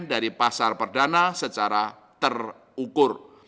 dari pasar perdana secara terukur